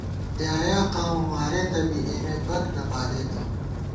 بۡلیایا ، قامہ مارېتہ بی ، اېمے بک نہ بالېتہ